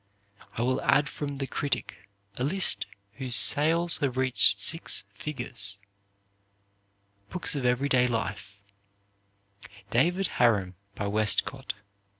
I will add from "The Critic" a list whose sales have reached six figures: Books of Every day Life "David Harum," by Westcott